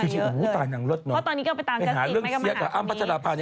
ฉันว่านางต้องเสียกันแจ่ละนางจริงจะได้ขึ้นมาขนาดนะ